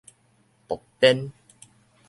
薄鞭